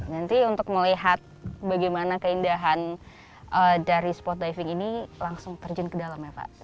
nanti untuk melihat bagaimana keindahan dari spot diving ini langsung terjun ke dalam ya pak